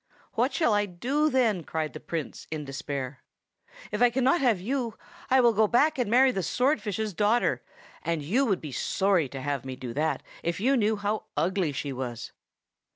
"What shall I do, then?" cried the Prince in despair. "If I cannot have you, I will go back and marry the swordfish's daughter, and you would be sorry to have me do that if you knew how ugly she was."